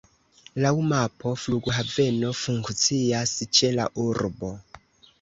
Laŭ mapo flughaveno funkcias ĉe la urbo.